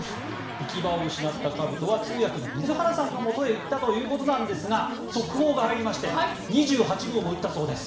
行き場を失ったかぶとは通訳の水原さんのもとへ行ったということなんですが速報が入りまして２８号も打ったそうです。